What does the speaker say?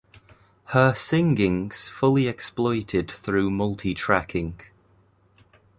Her singing's fully exploited through multi-tracking.